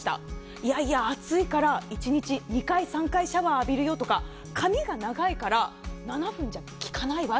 いやいや暑いから、一日２回、３回シャワー浴びるよとか、髪が長いから、７分じゃ、きかないわ